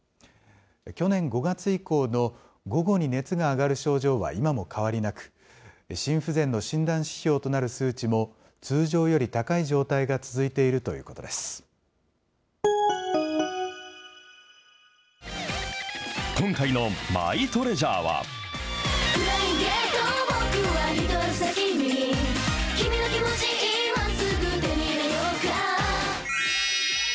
去年５月以降の午後に熱が上がる症状は今も変わりなく、心不全の診断指標となる数値も通常より高い状態が続いているとい今回のマイトレジャーは。